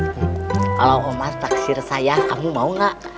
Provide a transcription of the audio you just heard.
kalau om bas tak sir saya kamu mau nggak